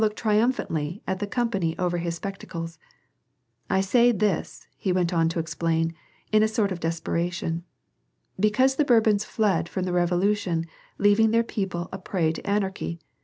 Pierre looked triumphantly at the company over his spec tacles, '^ I say this/' he went on to explain, in a sort of desper tion, " because the Bourbons fled from the revolution, leaving their people a prey to anarchy.